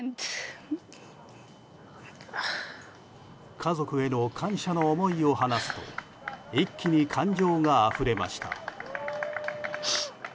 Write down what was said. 家族への感謝の思いを話すと一気に感情があふれました。